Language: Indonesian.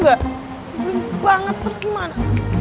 gue banget terus gimana